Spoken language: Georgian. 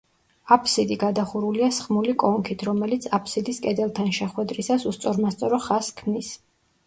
აბსიდი გადახურულია სხმული კონქით, რომელიც აბსიდის კედელთან შეხვედრისას უსწორმასწორო ხაზს ქმნის.